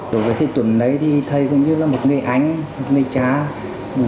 đối với thi tuấn đấy thì thầy cũng như là một người anh một người cha